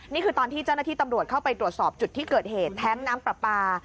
นี่คือตอนที่เจ้าหน้าที่ตำรวจเข้าไปตรวจสอบจุดที่เกิดเหตุแท้งน้ำปลาปลา